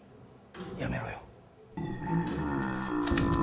辞めろよ。